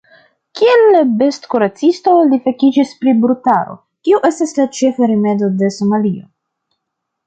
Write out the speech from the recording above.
Kiel bestkuracisto li fakiĝis pri brutaro, kio estas la ĉefa rimedo de Somalio.